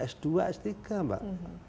s dua s tiga mbak